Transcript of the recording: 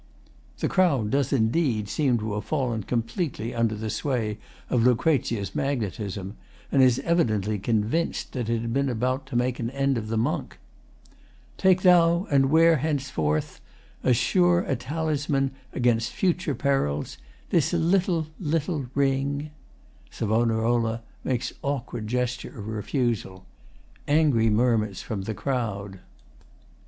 [The crowd does indeed seem to have fallen completely under the sway of LUC.'s magnetism, and is evidently convinced that it had been about to make an end of the monk.] Take thou, and wear henceforth, As a sure talisman 'gainst future perils, This little, little ring. [SAV. makes awkward gesture of refusal. Angry murmurs from the crowd.